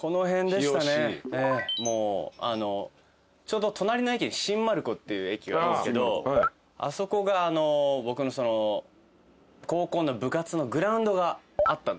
ちょうど隣の駅で新丸子っていう駅があるんですけどあそこが僕の高校の部活のグラウンドがあったんですよ